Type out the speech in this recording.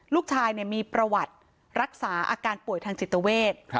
ลูกชายมีประวัติรักษาอาการป่วยทางจิตเวท